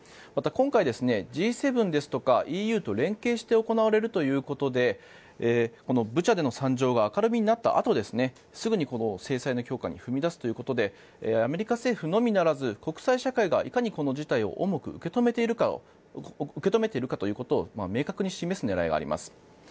また、今回Ｇ７ですとかＥＵと連携して行われるということでブチャでの惨状が明るみになったあとすぐに制裁の強化に踏み出すということでアメリカ政府のみならず国際社会がいかにこの事態を重く受け止めているかということを明確に示す狙いがあります。